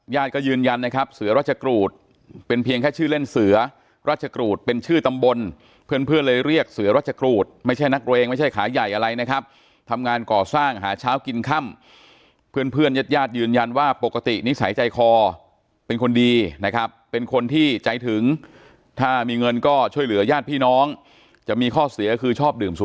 ก็ยืนยันนะครับเสือราชกรูดเป็นเพียงแค่ชื่อเล่นเสือราชกรูดเป็นชื่อตำบลเพื่อนเพื่อนเลยเรียกเสือรัชกรูดไม่ใช่นักเรงไม่ใช่ขาใหญ่อะไรนะครับทำงานก่อสร้างหาเช้ากินค่ำเพื่อนเพื่อนญาติญาติยืนยันว่าปกตินิสัยใจคอเป็นคนดีนะครับเป็นคนที่ใจถึงถ้ามีเงินก็ช่วยเหลือญาติพี่น้องจะมีข้อเสียคือชอบดื่ม